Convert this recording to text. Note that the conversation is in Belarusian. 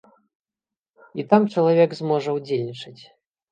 І там чалавек зможа ўдзельнічаць.